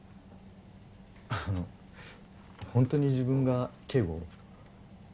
あの本当に自分が警護を？